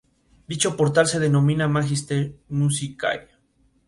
Dicho portal se denomina Magister Musicae.